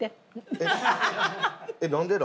えっ？